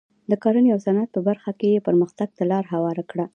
د کرنې او صنعت په برخه کې یې پرمختګ ته لار هواره کړه.